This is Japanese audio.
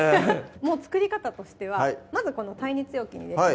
もう作り方としてはまずこの耐熱容器にですね